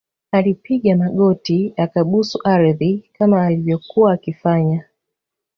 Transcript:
alipiga magoti akabusu ardhi kama alivyokuwa akifanya